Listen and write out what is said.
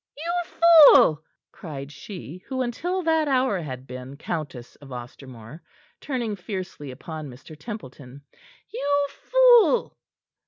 "You fool!" cried she who until that hour had been Countess of Ostermore, turning fiercely upon Mr. Templeton. "You fool!"